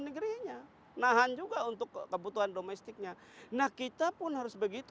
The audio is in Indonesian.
negerinya nahan juga untuk kebutuhan domestiknya nah kita pun harus begitu